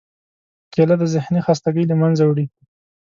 کېله د ذهنی خستګۍ له منځه وړي.